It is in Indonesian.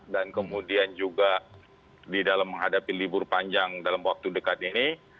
dan kemudian juga di dalam menghadapi libur panjang dalam waktu dekat ini